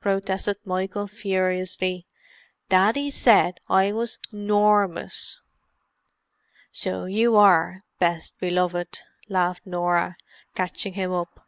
protested Michael furiously. "Daddy said I was 'normous." "So you are, best beloved," laughed Norah, catching him up.